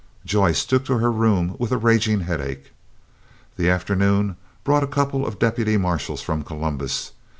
Joyce took to her room with a raging headache. The afternoon brought a couple of deputy marshals from Columbus.